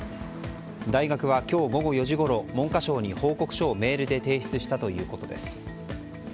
大学は今日午後４時ごろ文科省に報告書をメールで提出したということです。